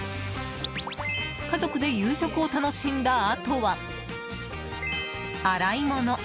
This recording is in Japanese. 家族で夕食を楽しんだあとは洗い物。